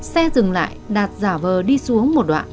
xe dừng lại đạt giả vờ đi xuống một đoạn